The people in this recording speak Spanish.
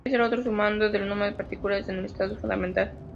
Es el otro sumando, el número de partículas en el estado fundamental.